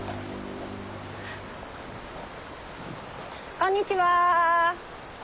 こんにちは。